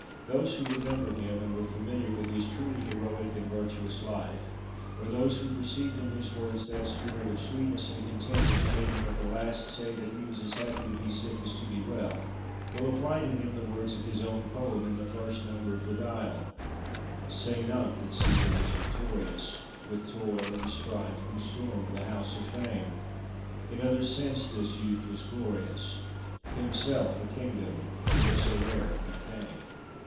Those who remember him, and were familiar with his truly heroic and virtuous life, or those who perceive in his works that spirit of sweetness and content which made him at the last say that he was as happy to be sick as to be well, will apply to him the words of his own poem in the first number of the Dial: "Say not that Caesar was victorious, With toil and strife who stormed the House of Fame; In other sense this youth was glorious, Himself a kingdom wheresoe'er he came."